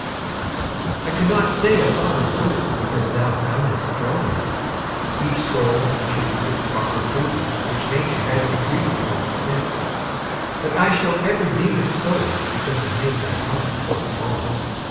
I cannot say a thought is good Because thou foundest joy in it; Each soul must choose its proper food Which Nature hath decreed most fit; But I shall ever deem it so Because it made thy heart o'erflow.